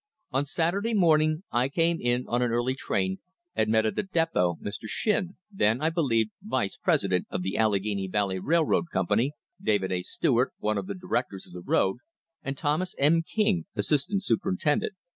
"On Saturday morning I came in on an early train and met at the depot Mr. Shinn, THE HISTORY OF THE STANDARD OIL COMPANY then, I believe, vice president of the Allegheny Valley Railroad Company, David A. Stewart, one of the directors of the road, and Thomas M. King, assistant superin tendent.